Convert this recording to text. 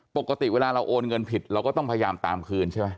ปกติเวลาเราโอนเงินผิดเราก็ต้องพยายามตามคืนใช่ไหม